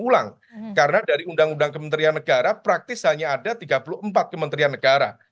ulang karena dari undang undang kementerian negara praktis hanya ada tiga puluh empat kementerian negara